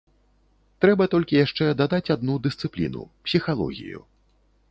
Трэба толькі яшчэ дадаць адну дысцыпліну, псіхалогію.